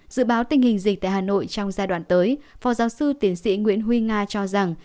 dự báo tình hình dịch tại hà nội trong giai đoạn tới phó giáo sư tiến sĩ nguyễn huy nga cho rằng